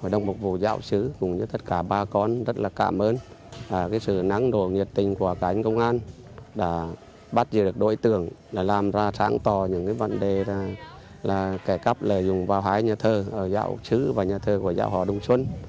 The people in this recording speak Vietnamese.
hội đồng phục vụ dạo chứa cùng với tất cả ba con rất là cảm ơn sự năng độ nhiệt tình của các anh công an đã bắt được đội tưởng làm ra sáng tỏ những vấn đề kẻ cắp lợi dụng vào hai nhà thơ dạo chứa và nhà thơ của dạo hòa đông xuân